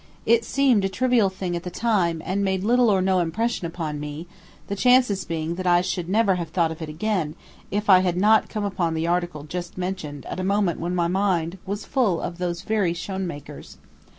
It seemed a trivial thing at the time and made little or no impression upon me, the chances being that I should never have thought of it again, if I had not come upon the article just mentioned at a moment when my mind was full of those very Schoenmakers.